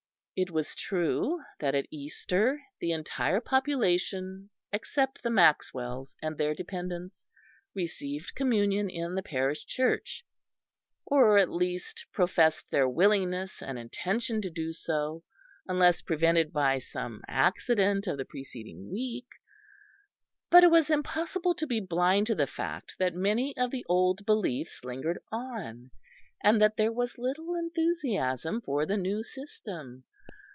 It was true that at Easter the entire population, except the Maxwells and their dependents, received communion in the parish church, or at least professed their willingness and intention to do so unless prevented by some accident of the preceding week; but it was impossible to be blind to the fact that many of the old beliefs lingered on, and that there was little enthusiasm for the new system.